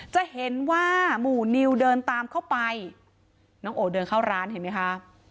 จะเห็นว่าหมู่นิวเดินตามเข้าไปน้องโอเดินเข้าร้านเห็นไหมคะ